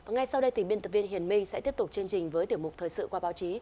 ngay sau đây thì biên tập viên hiền minh sẽ tiếp tục chương trình với tiểu mục thời sự qua báo chí